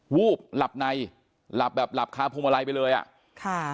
วูบหลับในหลับแบบหลับคาพวงมาลัยไปเลยอ่ะค่ะ